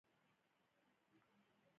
په ګډه کار کول اسانه وي